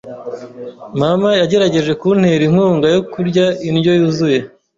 Mama yagerageje kuntera inkunga yo kurya indyo yuzuye.